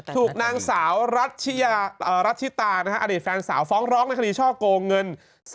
ถูกนางสาวรัชชิตาอดีตแฟนสาวฟ้องร้องในคดีช่อโกงเงิน